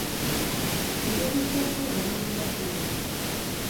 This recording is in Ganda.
Engeri z’okwewala obulwadde buno.